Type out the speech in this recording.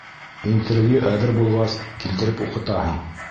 Интервью әҙер булғас, килтереп уҡытаһың.